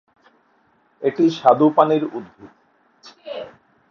এটি স্বাদুপানির উদ্ভিদ।